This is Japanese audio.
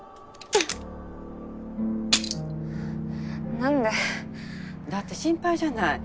なんで？だって心配じゃない。